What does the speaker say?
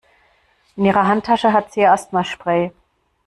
In ihrer Handtasche hat sie ihr Asthmaspray.